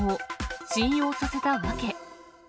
信用させた訳。